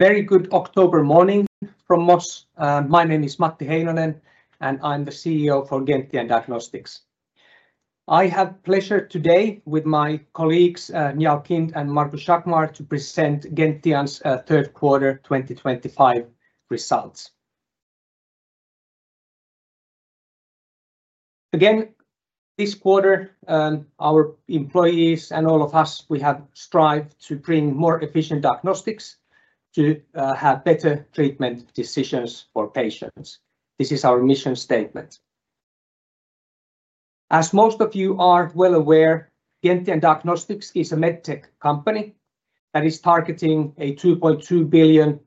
Very good October morning from us. My name is Matti Heinonen and I'm the CEO for Gentian Diagnostics. I have the pleasure today with my colleagues Njaal Kind and Markus Jaquemar to present Gentian's third quarter 2025 results. Again, this quarter, our employees and all of us, we have strived to bring more efficient diagnostics to have better treatment decisions for patients. This is our mission statement. As most of you are well aware, Gentian Diagnostics is a medtech company that is targeting a $2.2 billion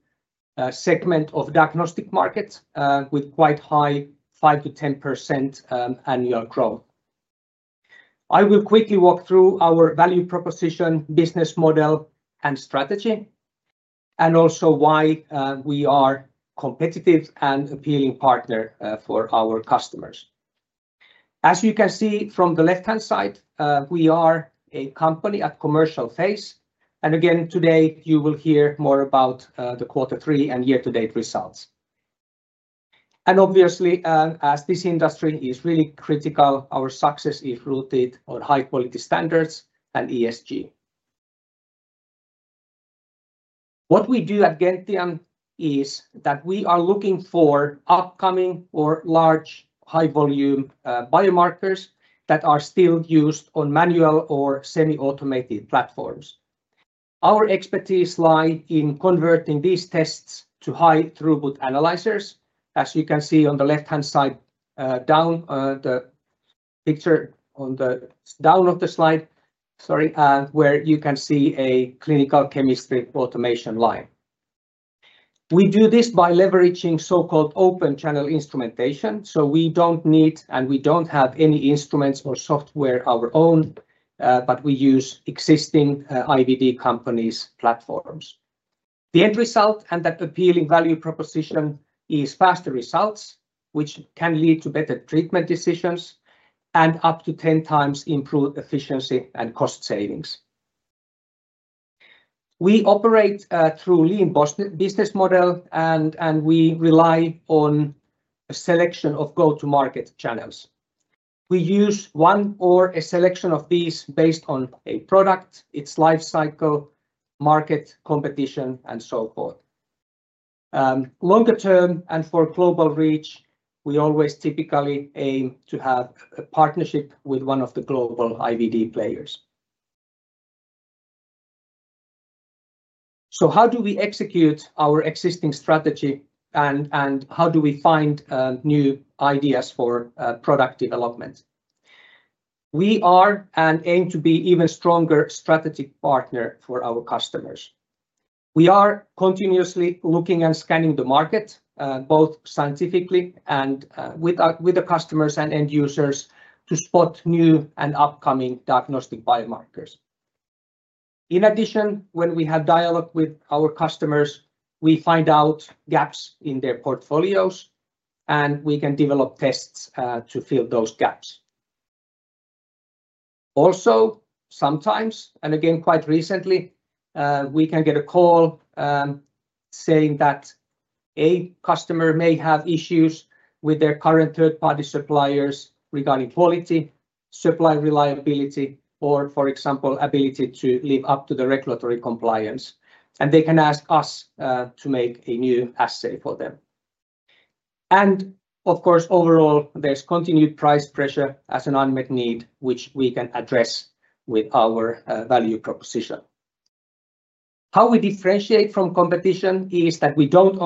segment of the diagnostic market with quite high 5%-10% annual growth. I will quickly walk through our value proposition, business model, and strategy, and also why we are a competitive and appealing partner for our customers. As you can see from the left-hand side, we are a company at the commercial phase. Today you will hear more about the quarter three and year-to-date results. Obviously, as this industry is really critical, our success is rooted on high-quality standards and ESG. What we do at Gentian is that we are looking for upcoming or large high-volume biomarkers that are still used on manual or semi-automated platforms. Our expertise lies in converting these tests to high-throughput analyzers. As you can see on the left-hand side, down the picture on the down of the slide, sorry, where you can see a clinical chemistry automation line. We do this by leveraging so-called open-channel instrumentation. We don't need and we don't have any instruments or software of our own, but we use existing IVD companies' platforms. The end result and that appealing value proposition is faster results, which can lead to better treatment decisions and up to 10x improved efficiency and cost savings. We operate through a lean business model and we rely on a selection of go-to-market channels. We use one or a selection of these based on a product, its life cycle, market competition, and so forth. Longer term and for global reach, we always typically aim to have a partnership with one of the global IVD players. How do we execute our existing strategy and how do we find new ideas for product development? We are and aim to be an even stronger strategic partner for our customers. We are continuously looking and scanning the market, both scientifically and with the customers and end users to spot new and upcoming diagnostic biomarkers. In addition, when we have dialogue with our customers, we find out gaps in their portfolios and we can develop tests to fill those gaps. Also, sometimes, and again quite recently, we can get a call saying that a customer may have issues with their current third-party suppliers regarding quality, supply reliability, or, for example, ability to live up to the regulatory compliance. They can ask us to make a new assay for them. Of course, overall, there's continued price pressure as an unmet need, which we can address with our value proposition. How we differentiate from competition is that we don't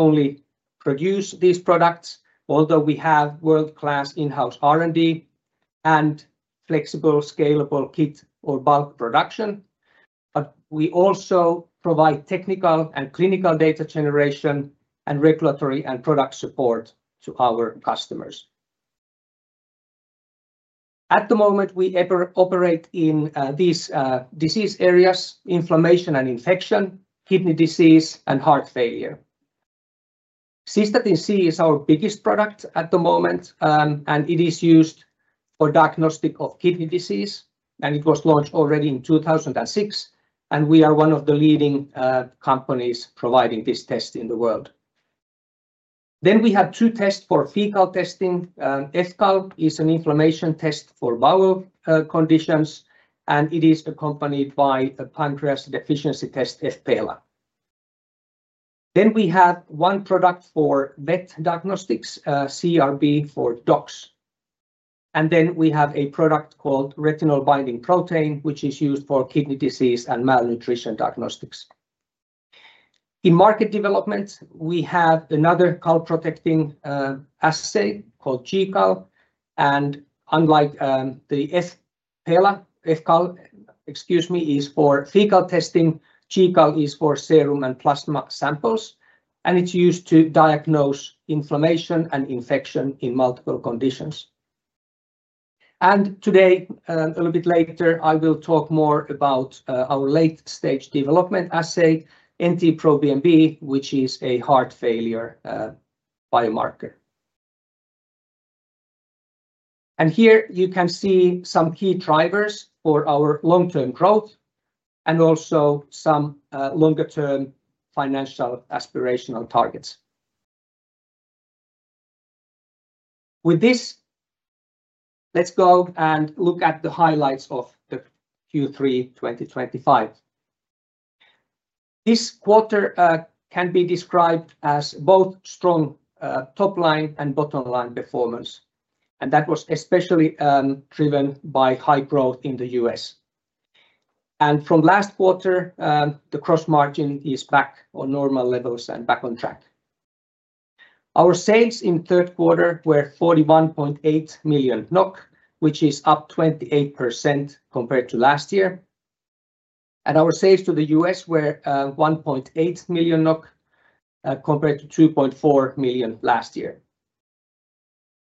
only produce these products, although we have world-class in-house R&D and flexible, scalable kit or bulk production, but we also provide technical and clinical data generation and regulatory and product support to our customers. At the moment, we operate in these disease areas: inflammation and infection, kidney disease, and heart failure. Cystatin C is our biggest product at the moment, and it is used for diagnostic of kidney disease. It was launched already in 2006, and we are one of the leading companies providing this test in the world. We have two tests for fecal testing. fCAL turbo is an inflammation test for bowel conditions, and it is accompanied by a pancreas deficiency test, fPELA. We have one product for vet diagnostics, canine CRP for dogs. We have a product called RBP, which is used for kidney disease and malnutrition diagnostics. In market development, we have another calprotectin assay called GCAL, and unlike the fPELA, fCAL turbo, excuse me, is for fecal testing. GCAL is for serum and plasma samples, and it's used to diagnose inflammation and infection in multiple conditions. Today, a little bit later, I will talk more about our late-stage development assay, NT-proBNP assay, which is a heart failure biomarker. Here you can see some key drivers for our long-term growth and also some longer-term financial aspirational targets. With this, let's go and look at the highlights of the Q3 2025. This quarter can be described as both strong top-line and bottom-line performance, and that was especially driven by high growth in the U.S. From last quarter, the gross margin is back on normal levels and back on track. Our sales in third quarter were 41.8 million NOK, which is up 28% compared to last year. Our sales to the U.S. were 1.8 million NOK compared to 2.4 million last year.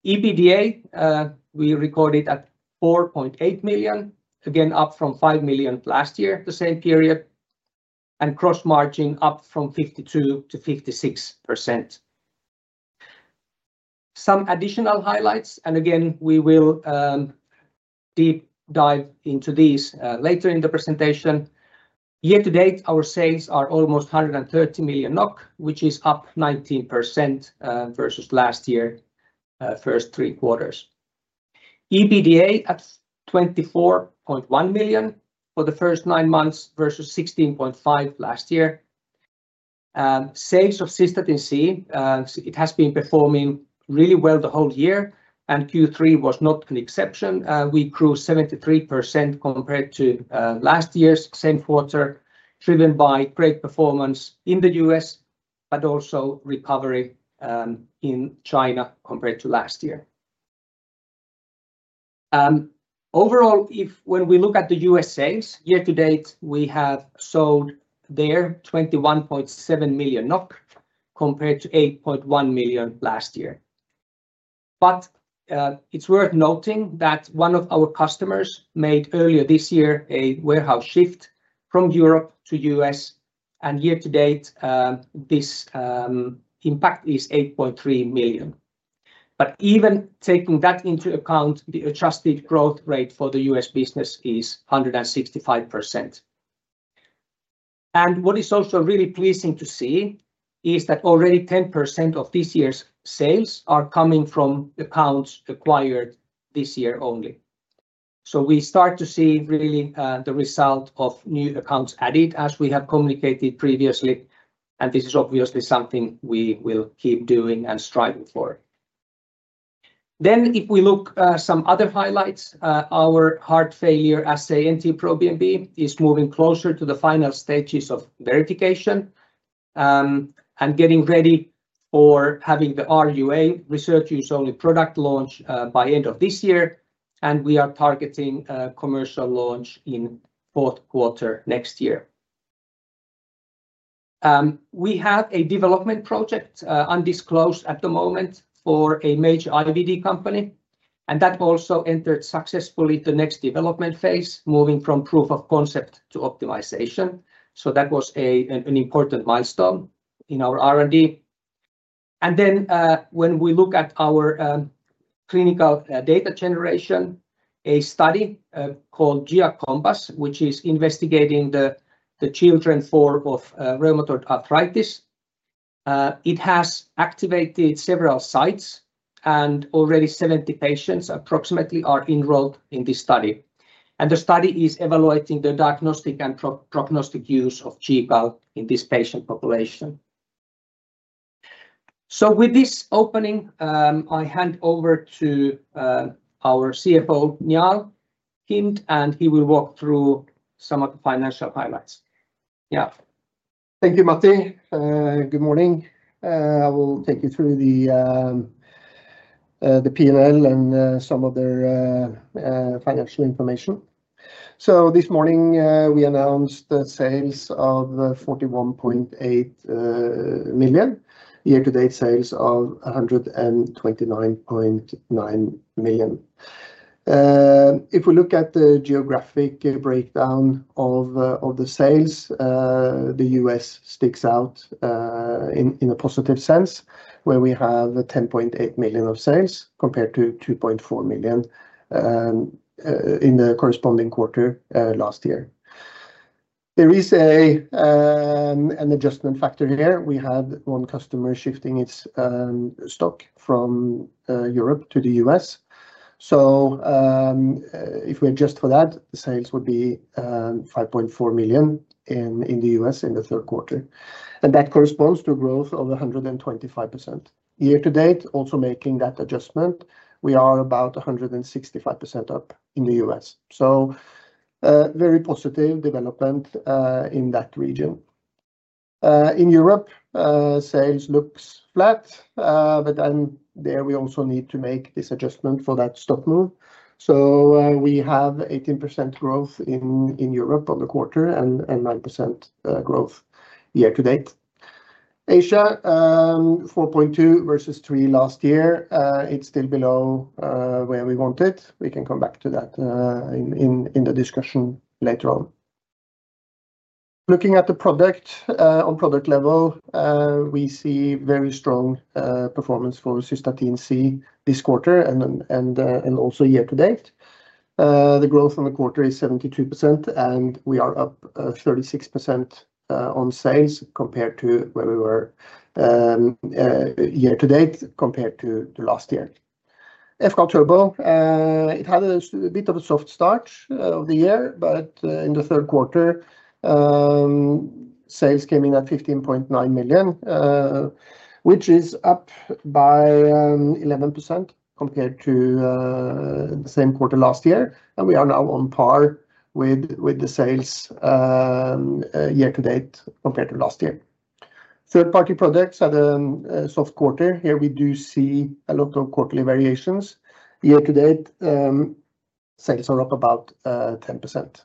EBITDA, we recorded at 4.8 million, again up from 5 million last year, the same period, and gross margin up from 52%-56%. Some additional highlights, and again, we will deep dive into these later in the presentation. Year-to-date, our sales are almost 130 million NOK, which is up 19% versus last year, first three quarters. EBITDA at 24.1 million for the first nine months versus 16.5 million last year. Sales of Cystatin C, it has been performing really well the whole year, and Q3 was not an exception. We grew 73% compared to last year's same quarter, driven by great performance in the U.S., but also recovery in China compared to last year. Overall, when we look at the U.S. sales, year-to-date, we have sold there 21.7 million NOK compared to 8.1 million last year. It's worth noting that one of our customers made earlier this year a warehouse shift from Europe to the U.S., and year-to-date, this impact is 8.3 million. Even taking that into account, the adjusted growth rate for the U.S. business is 165%. What is also really pleasing to see is that already 10% of this year's sales are coming from accounts acquired this year only. We start to see really the result of new accounts added, as we have communicated previously, and this is obviously something we will keep doing and striving for. If we look at some other highlights, our heart failure assay NT-proBNP is moving closer to the final stages of verification and getting ready for having the RUA, research-use-only product launch, by the end of this year, and we are targeting a commercial launch in the fourth quarter next year. We have a development project undisclosed at the moment for a major IVD company, and that also entered successfully the next development phase, moving from proof of concept to optimization. That was an important milestone in our R&D. When we look at our clinical data generation, a study called GeoCompas, which is investigating the children for rheumatoid arthritis, it has activated several sites, and already approximately 70 patients are enrolled in this study. The study is evaluating the diagnostic and prognostic use of GCAL in this patient population. With this opening, I hand over to our CFO, Njaal Kind, and he will walk through some of the financial highlights. Yeah. Thank you, Matti. Good morning. I will take you through the P&L and some of the financial information. This morning, we announced the sales of 41.8 million, year-to-date sales of 129.9 million. If we look at the geographic breakdown of the sales, the U.S. sticks out in a positive sense where we have 10.8 million of sales compared to 2.4 million in the corresponding quarter last year. There is an adjustment factor here. We had one customer shifting its stock from Europe to the U.S. If we adjust for that, the sales would be 5.4 million in the U.S. in the third quarter. That corresponds to a growth of 125%. Year-to-date, also making that adjustment, we are about 165% up in the U.S. Very positive development in that region. In Europe, sales look flat, but there we also need to make this adjustment for that stock move. We have 18% growth in Europe on the quarter and 9% growth year-to-date. Asia, 4.2 million versus 3 million last year. It's still below where we wanted. We can come back to that in the discussion later on. Looking at the product level, we see very strong performance for Cystatin C this quarter and also year-to-date. The growth on the quarter is 72%, and we are up 36% on sales compared to where we were year-to-date compared to last year. fCAL turbo had a bit of a soft start of the year, but in the third quarter, sales came in at 15.9 million, which is up by 11% compared to the same quarter last year. We are now on par with the sales year-to-date compared to last year. Third-party products had a soft quarter. Here, we do see a lot of quarterly variations. Year-to-date, sales are up about 10%.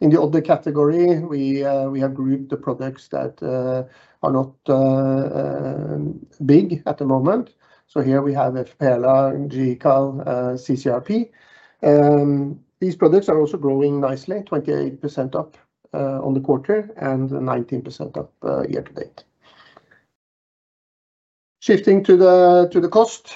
In the other category, we have grouped the products that are not big at the moment. Here we have fPELA, GCAL, cCRP. These products are also growing nicely, 28% up on the quarter and 19% up year-to-date. Shifting to the cost,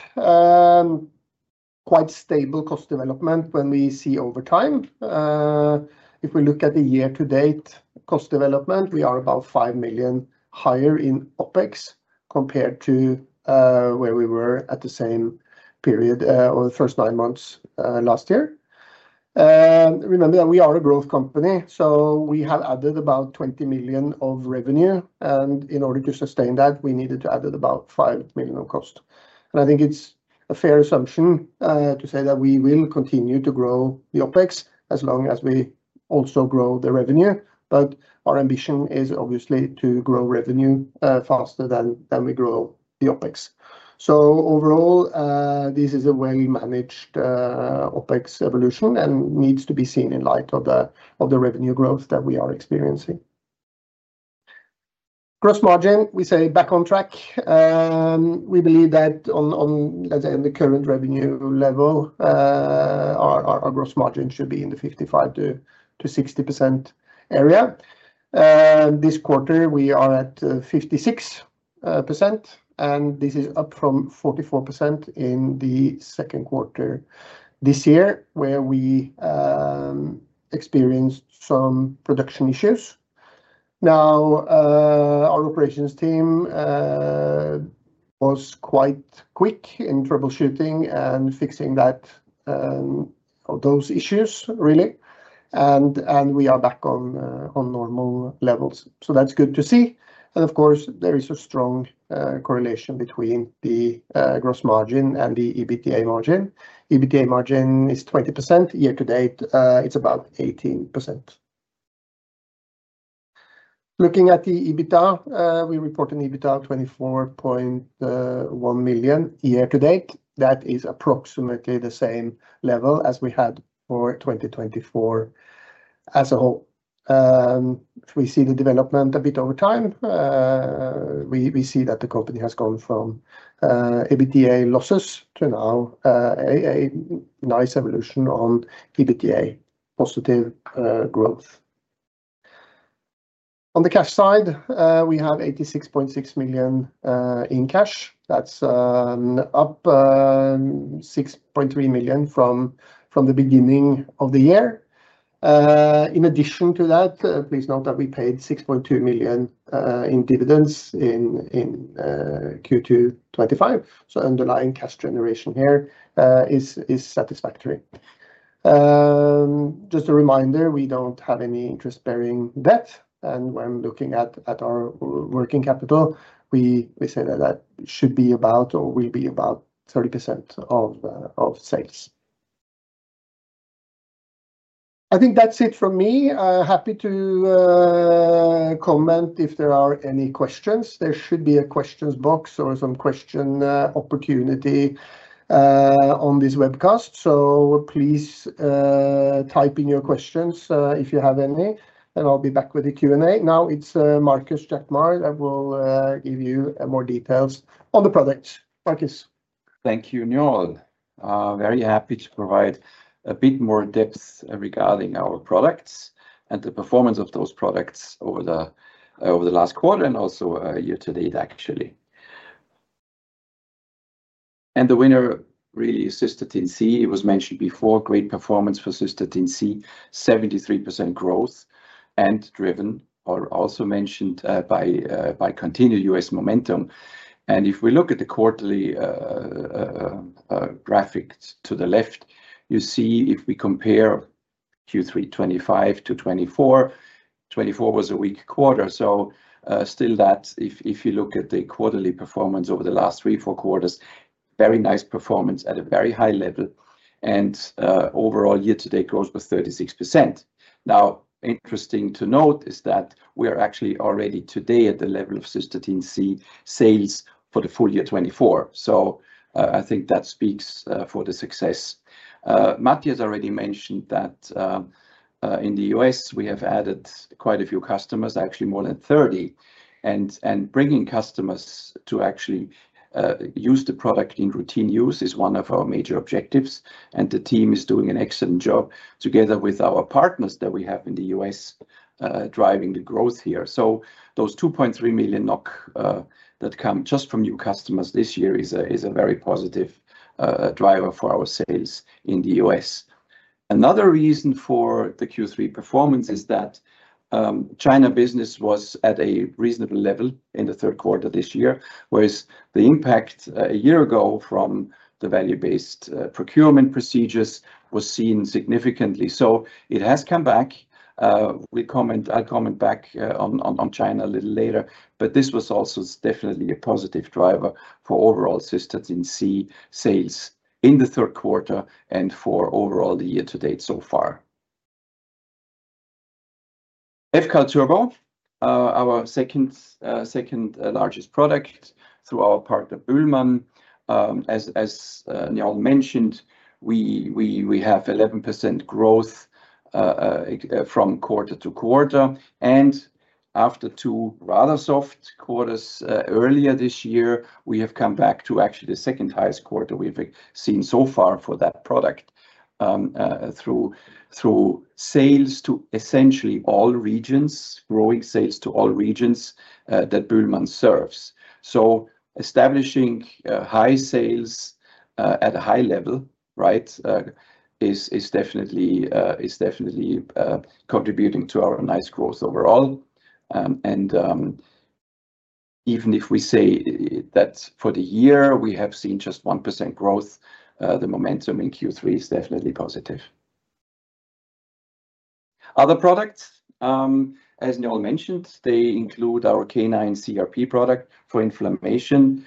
quite stable cost development when we see over time. If we look at the year-to-date cost development, we are about 5 million higher in OpEx compared to where we were at the same period or the first nine months last year. Remember that we are a growth company, so we have added about 20 million of revenue. In order to sustain that, we needed to add about 5 million of cost. I think it's a fair assumption to say that we will continue to grow the OpEx as long as we also grow the revenue. Our ambition is obviously to grow revenue faster than we grow the OpEx. Overall, this is a well-managed OpEx evolution and needs to be seen in light of the revenue growth that we are experiencing. Gross margin, we say back on track. We believe that on the current revenue level, our gross margin should be in the 55%-60% area. This quarter, we are at 56%, and this is up from 44% in the second quarter this year where we experienced some production issues. Our operations team was quite quick in troubleshooting and fixing those issues, really. We are back on normal levels. That's good to see. There is a strong correlation between the gross margin and the EBITDA margin. EBITDA margin is 20%. Year-to-date, it's about 18%. Looking at the EBITDA, we report an EBITDA of 24.1 million year-to-date. That is approximately the same level as we had for 2024 as a whole. If we see the development a bit over time, we see that the company has gone from EBITDA losses to now a nice evolution on EBITDA positive growth. On the cash side, we have 86.6 million in cash. That's up 6.3 million from the beginning of the year. In addition to that, please note that we paid 6.2 million in dividends in Q2 2025. Underlying cash generation here is satisfactory. Just a reminder, we don't have any interest-bearing debt. When looking at our working capital, we say that that should be about or will be about 30% of sales. I think that's it from me. Happy to comment if there are any questions. There should be a questions box or some question opportunity on this webcast. Please type in your questions if you have any, and I'll be back with the Q&A. Now it's Markus Jaquemar that will give you more details on the products. Markus. Thank you, Njaal. Very happy to provide a bit more depth regarding our products and the performance of those products over the last quarter and also year-to-date, actually. The winner, really, Cystatin C, it was mentioned before, great performance for Cystatin C, 73% growth and driven, or also mentioned by continued U.S. momentum. If we look at the quarterly graphic to the left, you see if we compare Q3 2025 to 2024, 2024 was a weak quarter. Still, if you look at the quarterly performance over the last three, four quarters, very nice performance at a very high level. Overall, year-to-date growth was 36%. Now, interesting to note is that we are actually already today at the level of Cystatin C sales for the full year 2024. I think that speaks for the success. Matti has already mentioned that in the U.S., we have added quite a few customers, actually more than 30. Bringing customers to actually use the product in routine use is one of our major objectives. The team is doing an excellent job together with our partners that we have in the U.S., driving the growth here. Those 2.3 million NOK that come just from new customers this year is a very positive driver for our sales in the U.S. Another reason for the Q3 performance is that China business was at a reasonable level in the third quarter this year, whereas the impact a year ago from the value-based procurement procedures was seen significantly. It has come back. I'll comment back on China a little later. This was also definitely a positive driver for overall Cystatin C sales in the third quarter and for overall the year-to-date so far. fCAL turbo, our second largest product through our partner Buhlmann. As Njaal mentioned, we have 11% growth from quarter to quarter. After two rather soft quarters earlier this year, we have come back to actually the second highest quarter we've seen so far for that product through sales to essentially all regions, growing sales to all regions that Buhlmann serves. Establishing high sales at a high level, right, is definitely contributing to our nice growth overall. Even if we say that for the year, we have seen just 1% growth, the momentum in Q3 is definitely positive. Other products, as Njaal mentioned, they include our canine CRP product for inflammation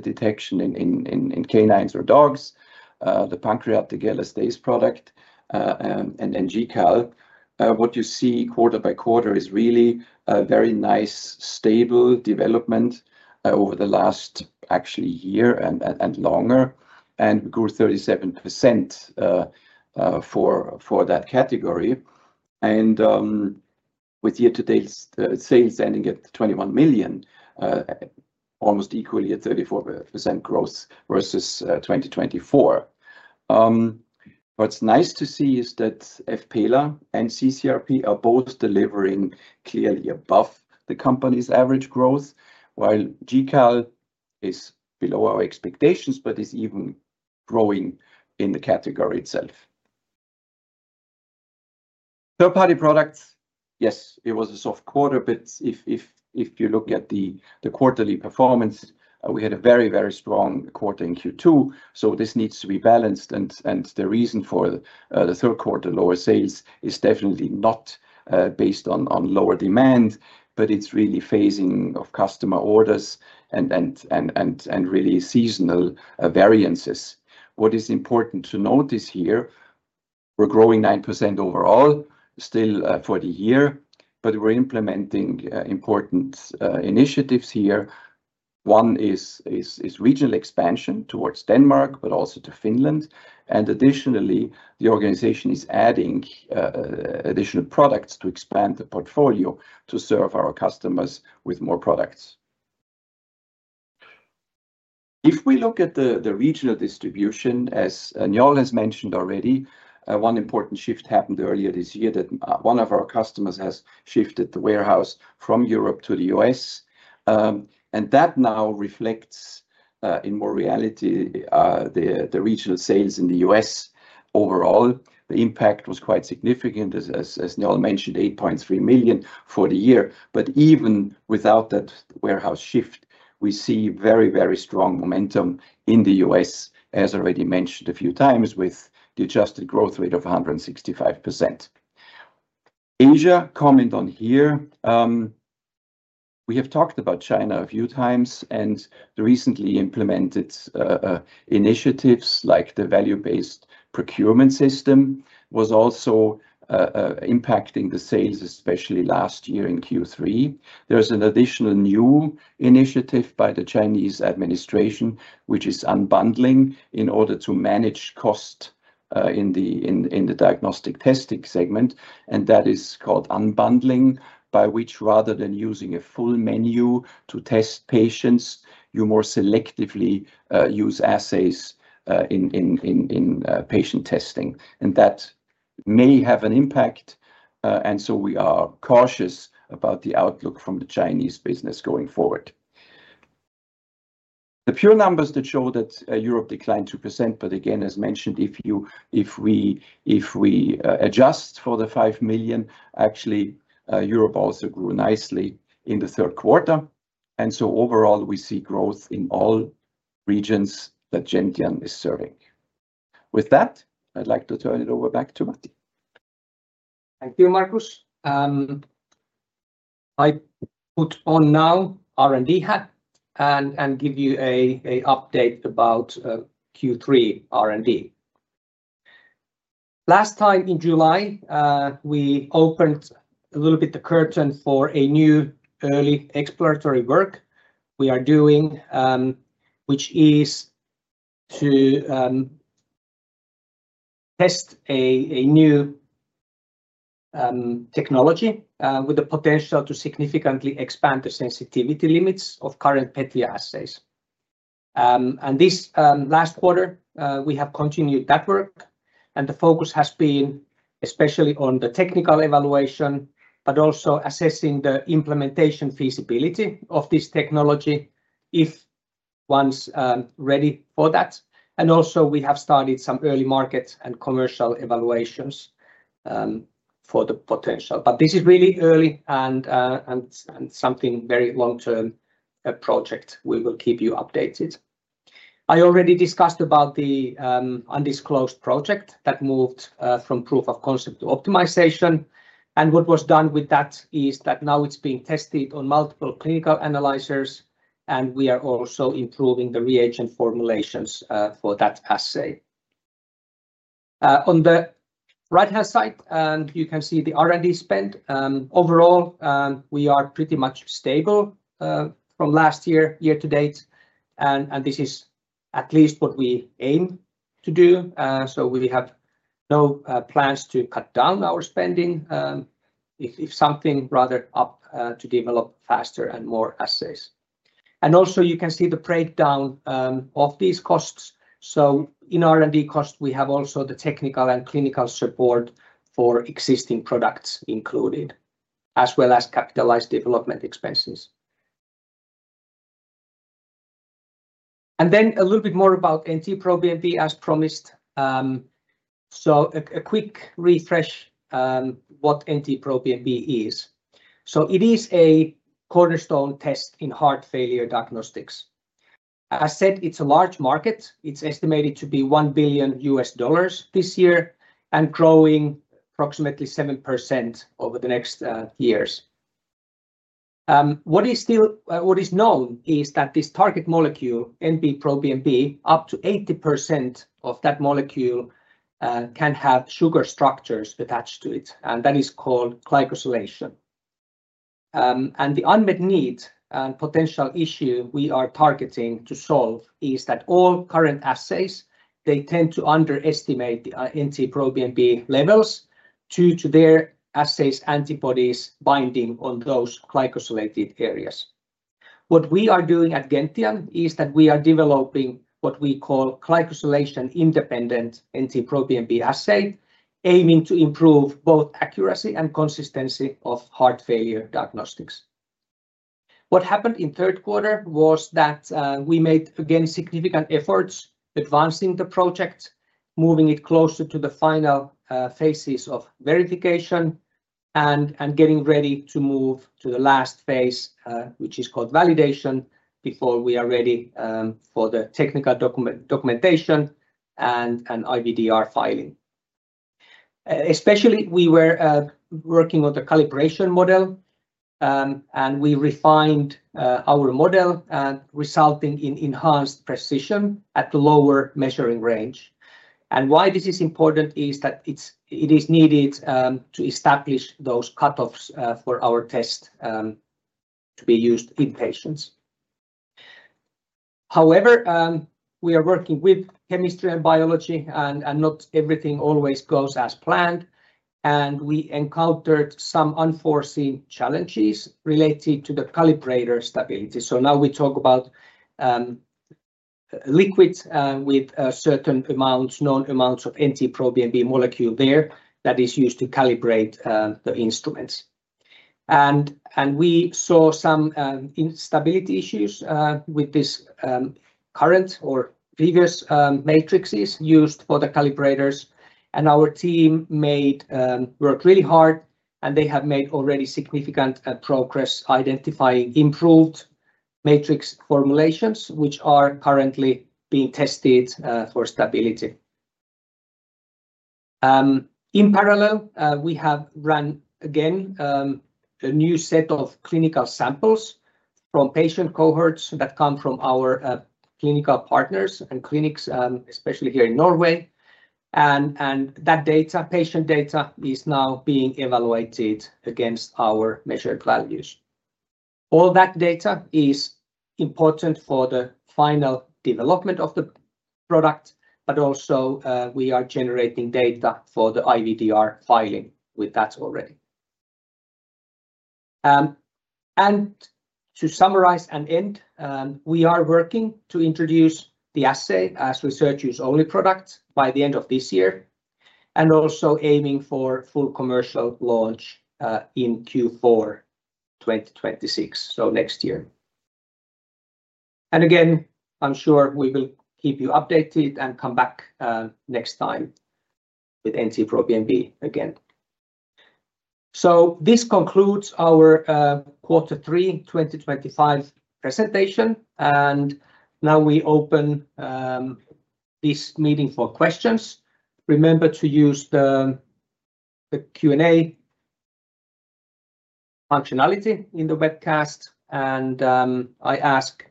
detection in canines or dogs, the pancreatic elastase product, and GCAL. What you see quarter by quarter is really a very nice stable development over the last actually year and longer. We grew 37% for that category. With year-to-date sales ending at $21 million, almost equally at 34% growth versus 2024. What's nice to see is that fPELA and cCRP are both delivering clearly above the company's average growth, while GCAL is below our expectations, but is even growing in the category itself. Third-party products, yes, it was a soft quarter, but if you look at the quarterly performance, we had a very, very strong quarter in Q2. This needs to be balanced. The reason for the third quarter lower sales is definitely not based on lower demand, but it's really phasing of customer orders and really seasonal variances. What is important to note is here, we're growing 9% overall still for the year, but we're implementing important initiatives here. One is regional expansion towards Denmark, but also to Finland. Additionally, the organization is adding additional products to expand the portfolio to serve our customers with more products. If we look at the regional distribution, as Njaal has mentioned already, one important shift happened earlier this year that one of our customers has shifted the warehouse from Europe to the U.S. That now reflects in more reality the regional sales in the U.S. overall. The impact was quite significant, as Njaal mentioned, $8.3 million for the year. Even without that warehouse shift, we see very, very strong momentum in the U.S., as already mentioned a few times, with the adjusted growth rate of 165%. Asia comment on here, we have talked about China a few times, and the recently implemented initiatives like the value-based procurement system was also impacting the sales, especially last year in Q3. There's an additional new initiative by the Chinese administration, which is unbundling in order to manage cost in the diagnostic testing segment. That is called unbundling, by which rather than using a full menu to test patients, you more selectively use assays in patient testing. That may have an impact. We are cautious about the outlook from the Chinese business going forward. The pure numbers show that Europe declined 2%, but again, as mentioned, if we adjust for the $5 million, actually, Europe also grew nicely in the third quarter. Overall, we see growth in all regions that Gentian Diagnostics is serving. With that, I'd like to turn it over back to Matti. Thank you, Markus. I put on now R&D hat and give you an update about Q3 R&D. Last time in July, we opened a little bit the curtain for a new early exploratory work we are doing, which is to test a new technology with the potential to significantly expand the sensitivity limits of current PETIA assays. This last quarter, we have continued that work. The focus has been especially on the technical evaluation, but also assessing the implementation feasibility of this technology if one's ready for that. We have started some early market and commercial evaluations for the potential. This is really early and something very long-term project. We will keep you updated. I already discussed about the undisclosed project that moved from proof of concept to optimization. What was done with that is that now it's being tested on multiple clinical analyzers. We are also improving the reagent formulations for that assay. On the right-hand side, you can see the R&D spend. Overall, we are pretty much stable from last year, year to date. This is at least what we aim to do. We have no plans to cut down our spending. If something, rather up to develop faster and more assays. You can see the breakdown of these costs. In R&D cost, we have also the technical and clinical support for existing products included, as well as capitalized development expenses. A little bit more about NT-proBNP as promised. A quick refresh on what NT-proBNP is. It is a cornerstone test in heart failure diagnostics. As said, it's a large market. It's estimated to be $1 billion this year and growing approximately 7% over the next years. What is still what is known is that this target molecule, NT-proBNP, up to 80% of that molecule can have sugar structures attached to it. That is called glycosylation. The unmet need and potential issue we are targeting to solve is that all current assays, they tend to underestimate the NT-proBNP levels due to their assays' antibodies binding on those glycosylated areas. What we are doing at Gentian Diagnostics is that we are developing what we call glycosylation-independent NT-proBNP assay, aiming to improve both accuracy and consistency of heart failure diagnostics. What happened in third quarter was that we made, again, significant efforts advancing the project, moving it closer to the final phases of verification and getting ready to move to the last phase, which is called validation, before we are ready for the technical documentation and IVDR filing. Especially, we were working on the calibration model. We refined our model, resulting in enhanced precision at the lower measuring range. This is important because it is needed to establish those cutoffs for our test to be used in patients. However, we are working with chemistry and biology, and not everything always goes as planned. We encountered some unforeseen challenges related to the calibrator stability. Now we talk about liquids with certain amounts, known amounts of NT-proBNP molecule there that is used to calibrate the instruments. We saw some instability issues with these current or previous matrices used for the calibrators. Our team worked really hard, and they have made already significant progress identifying improved matrix formulations, which are currently being tested for stability. In parallel, we have run, again, a new set of clinical samples from patient cohorts that come from our clinical partners and clinics, especially here in Norway. That data, patient data, is now being evaluated against our measured values. All that data is important for the final development of the product, but also we are generating data for the IVDR filing with that already. To summarize and end, we are working to introduce the assay as a research-use-only product by the end of this year and also aiming for full commercial launch in Q4 2026, so next year. I'm sure we will keep you updated and come back next time with NT-proBNP again. This concludes our quarter three 2025 presentation. Now we open this meeting for questions. Remember to use the Q&A functionality in the webcast. I ask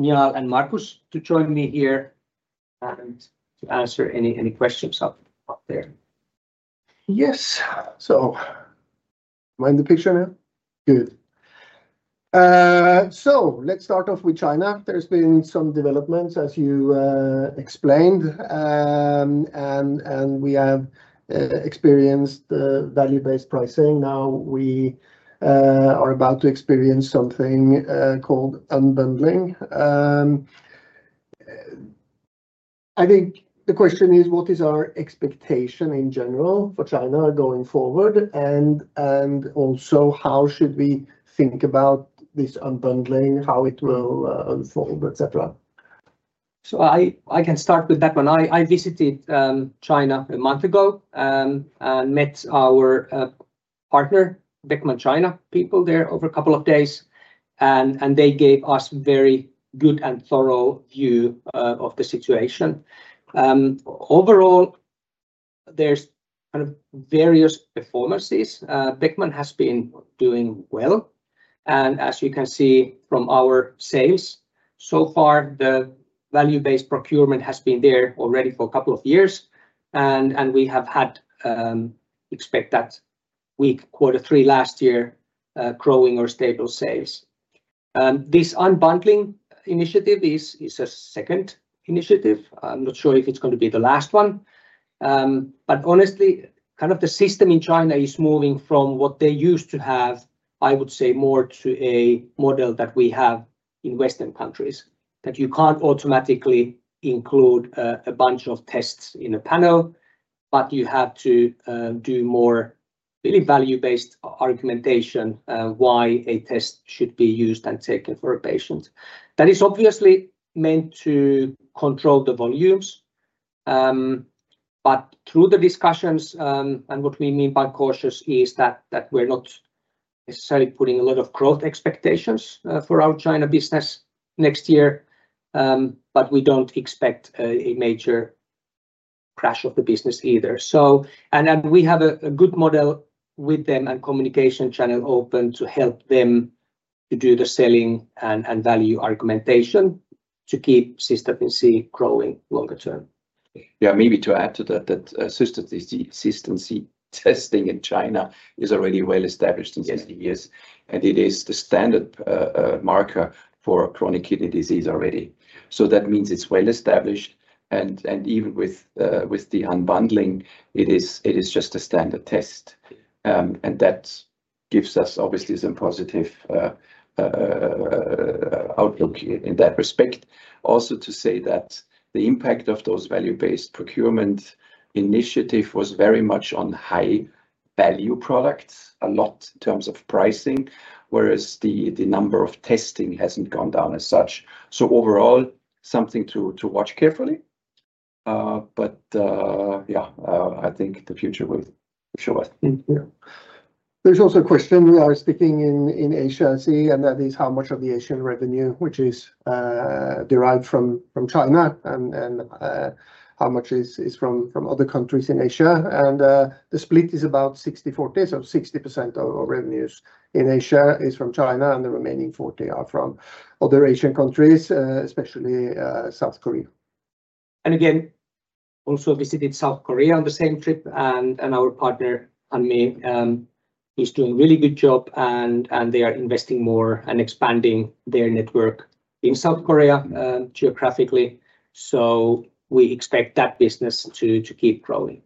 Njaal and Markus to join me here and to answer any questions up there. Yes. Am I in the picture now? Good. Let's start off with China. There have been some developments, as you explained. We have experienced value-based pricing. Now we are about to experience something called unbundling. I think the question is, what is our expectation in general for China going forward? Also, how should we think about this unbundling, how it will unfold, etc.? I can start with that one. I visited China a month ago and met our partner, Beckman China people there over a couple of days. They gave us a very good and thorough view of the situation. Overall, there's kind of various performances. Beckman has been doing well. As you can see from our sales so far, the value-based procurement has been there already for a couple of years. We have had, except that weak quarter three last year, growing our stable sales. This unbundling initiative is a second initiative. I'm not sure if it's going to be the last one. Honestly, kind of the system in China is moving from what they used to have, I would say, more to a model that we have in Western countries, that you can't automatically include a bunch of tests in a panel, but you have to do more really value-based argumentation and why a test should be used and taken for a patient. That is obviously meant to control the volumes. Through the discussions, what we mean by cautious is that we're not necessarily putting a lot of growth expectations for our China business next year, but we don't expect a major crash of the business either. We have a good model with them and communication channel open to help them to do the selling and value argumentation to keep Cystatin C growing longer term. Yeah, maybe to add to that, Cystatin C testing in China is already well established in the NGS. It is the standard marker for chronic kidney disease already. That means it's well established. Even with the unbundling, it is just a standard test. That gives us obviously some positive outlook in that respect. Also to say that the impact of those value-based procurement initiatives was very much on high-value products, a lot in terms of pricing, whereas the number of testing hasn't gone down as such. Overall, something to watch carefully. Yeah, I think the future will show us. Thank you. There's also a question, we are sticking in Asia, and that is how much of the Asian revenue is derived from China, and how much is from other countries in Asia. The split is about 60%,40%. 60% of our revenues in Asia is from China, and the remaining 40% are from other Asian countries, especially South Korea. I also visited South Korea on the same trip. Our partner, Anmi, is doing a really good job, and they are investing more and expanding their network in South Korea geographically. We expect that business to keep growing.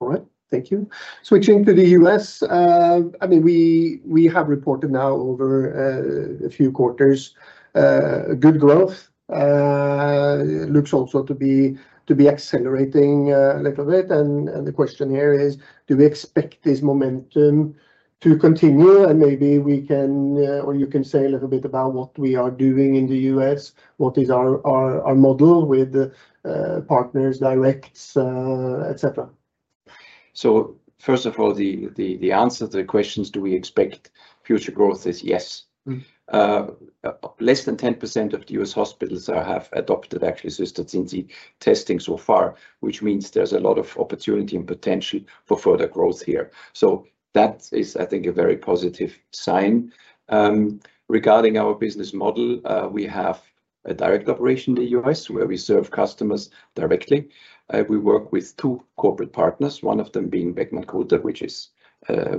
All right. Thank you. Switching to the US, we have reported now over a few quarters good growth. It looks also to be accelerating a little bit. The question here is, do we expect this momentum to continue? Maybe you can say a little bit about what we are doing in the US, what is our model with partners, directs, etc.? First of all, the answer to the questions, do we expect future growth, is yes. Less than 10% of the U.S. hospitals have adopted actually Cystatin C testing so far, which means there's a lot of opportunity and potential for further growth here. That is, I think, a very positive sign. Regarding our business model, we have a direct operation in the U.S. where we serve customers directly. We work with two corporate partners, one of them being Beckman Coulter, which is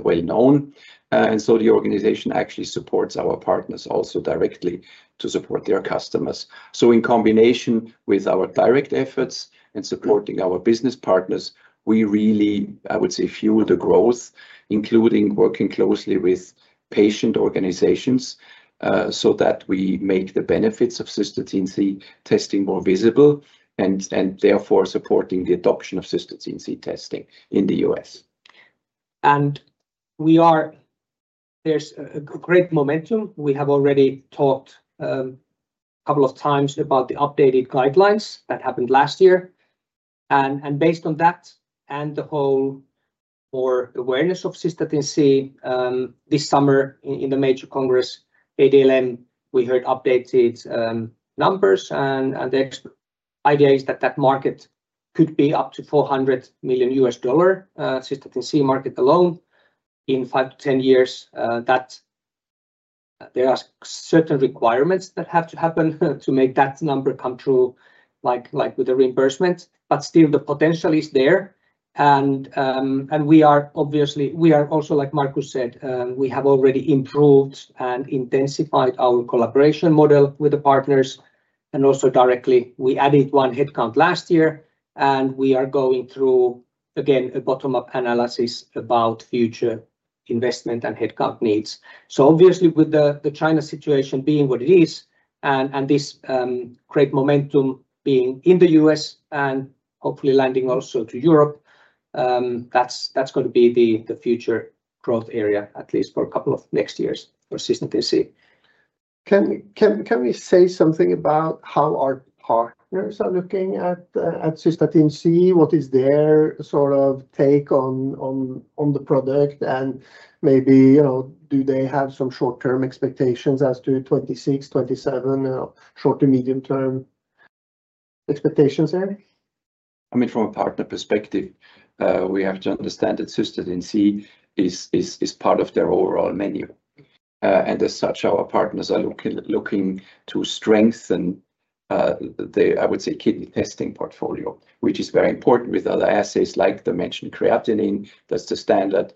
well known. The organization actually supports our partners also directly to support their customers. In combination with our direct efforts and supporting our business partners, we really, I would say, fuel the growth, including working closely with patient organizations so that we make the benefits of Cystatin C testing more visible and therefore supporting the adoption of Cystatin C testing in the U.S. There is great momentum. We have already talked a couple of times about the updated guidelines that happened last year. Based on that and the whole more awareness of Cystatin C this summer in the major congress, ADLM, we heard updated numbers. The idea is that the market could be up to $400 million Cystatin C market alone in 5 to 10 years. There are certain requirements that have to happen to make that number come true, like with the reimbursement. Still, the potential is there. We are also, like Markus said, we have already improved and intensified our collaboration model with the partners. Also directly, we added one headcount last year. We are going through, again, a bottom-up analysis about future investment and headcount needs. Obviously, with the China situation being what it is and this great momentum being in the US and hopefully landing also to Europe, that's going to be the future growth area, at least for a couple of next years for Cystatin C. Can we say something about how our partners are looking at Cystatin C? What is their sort of take on the product? Maybe, you know, do they have some short-term expectations as to 2026, 2027, short to medium-term expectations there? I mean, from a partner perspective, we have to understand that Cystatin C is part of their overall menu. As such, our partners are looking to strengthen, I would say, kidney testing portfolio, which is very important with other assays like the mentioned creatinine that's the standard,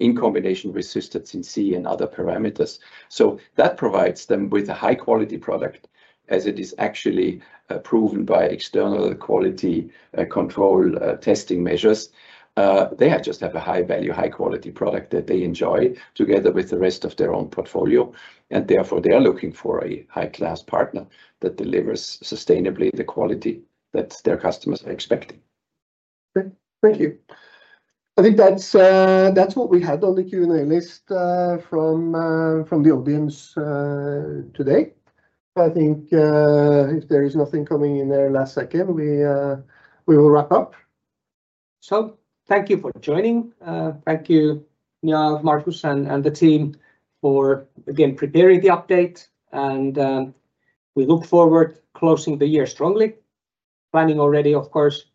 in combination with Cystatin C and other parameters. That provides them with a high-quality product, as it is actually proven by external quality control testing measures. They just have a high-value, high-quality product that they enjoy together with the rest of their own portfolio. Therefore, they are looking for a high-class partner that delivers sustainably the quality that their customers are expecting. Thank you. I think that's what we had on the Q&A list from the audience today. I think if there is nothing coming in there last second, we will wrap up. Thank you for joining. Thank you, Njaal and Markus and the team, for again preparing the update. We look forward to closing the year strongly, planning already, of course,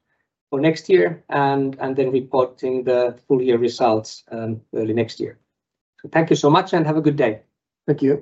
for next year and then reporting the full-year results early next year. Thank you so much and have a good day. Thank you.